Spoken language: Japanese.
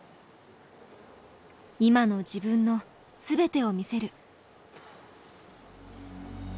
今の自分の全てを見せる。